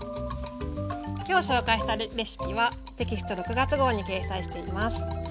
今日紹介したレシピはテキスト６月号に掲載しています。